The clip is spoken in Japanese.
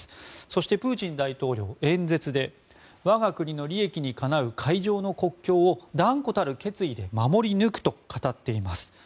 そしてプーチン大統領、演説で我が国の利益にかなう海上の国境を断固たる決意で守り抜くと語っています。